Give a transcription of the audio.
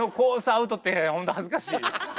アウトってほんと恥ずかしいよ。